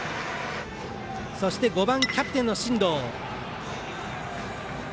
そして、５番キャプテンの進藤。